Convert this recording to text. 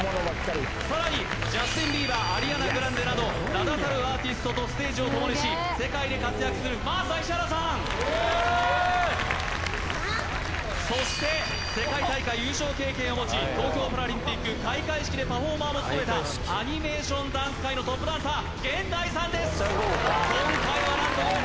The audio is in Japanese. さらにジャスティン・ビーバーアリアナ・グランデなど名だたるアーティストとステージをともにし世界で活躍するＭａａｓａＩｓｈｉｈａｒａさんそして世界大会優勝経験を持ち東京パラリンピック開会式でパフォーマーも務めたアニメーションダンス界のトップダンサーＧＥＮＤＡＩさんです